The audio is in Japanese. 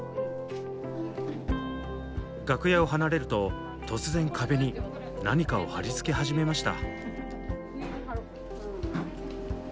楽屋を離れると突然壁に何かを貼り付け始めました。